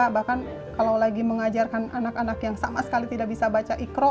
bahkan kalau lagi mengajarkan anak anak yang sama sekali tidak bisa baca ikro